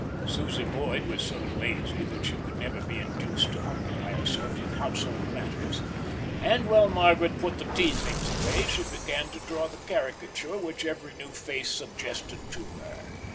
Susie Boyd was so lazy that she could never be induced to occupy herself with household matters and, while Margaret put the tea things away, she began to draw the caricature which every new face suggested to her.